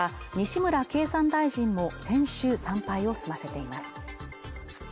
また西村経産大臣も先週参拝を済ませています